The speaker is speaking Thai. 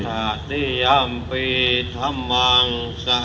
ถุติยัมปีธรรมังสาระนังขัชชามี